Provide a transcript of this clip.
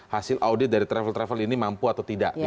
hasil audit dari travel travel ini mampu atau tidak